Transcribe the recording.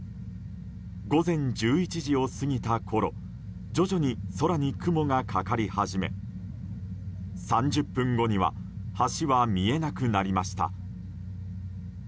午前１１時を過ぎたころ徐々に空に雲がかかり始め３０分後には橋は見えなくなりました。